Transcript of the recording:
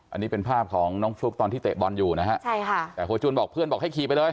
อันนี้เป็นภาพของน้องฟลุ๊กตอนที่เตะบอลอยู่นะฮะใช่ค่ะแต่โฮจูนบอกเพื่อนบอกให้ขี่ไปเลย